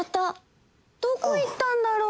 どこ行ったんだろう？